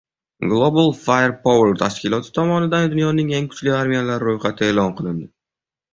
Global Firepower tashkiloti tomonidan dunyoning eng kuchli armiyalari ro‘yxati e’lon qilindi